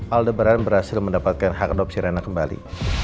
aldebaran berhasil mendapatkan hak adopsi rena kembali